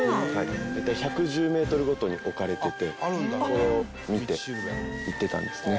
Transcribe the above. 大体１１０メートルごとに置かれててこれを見て行ってたんですね。